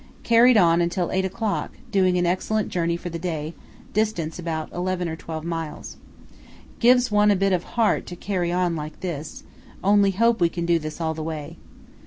Carried on until 8 o'clock, doing an excellent journey for the day; distance about eleven or twelve miles. Gives one a bit of heart to carry on like this; only hope we can do this all the way.